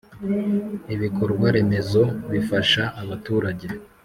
Ibikorwaremezo bifasha abaturage.